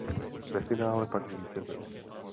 Ve finále pak zvítězil.